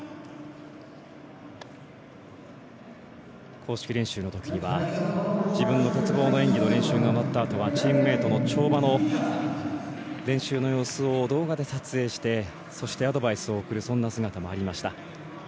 公式練習のときには自分の鉄棒の演技の練習が終わったあとは、チームメートの跳馬の練習の様子を動画で撮影してそして、アドバイスを送るそんな姿もありました。